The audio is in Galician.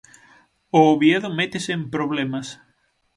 O Oviedo métese en problemas.